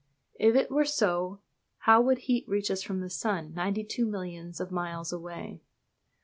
If it were so, how would heat reach us from the sun, ninety two millions of miles away?